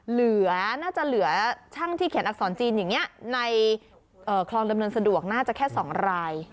น่าจะเหลือช่างที่เขียนอักษรจีนอย่างนี้ในคลองดำเนินสะดวกน่าจะแค่๒ราย